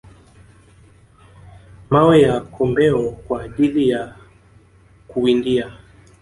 mawe ya kombeo kwa ajili ya kuwindia